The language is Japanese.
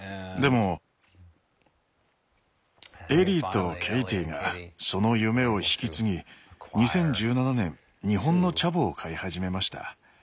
でもエリーとケイティがその夢を引き継ぎ２０１７年日本のチャボを飼い始めました。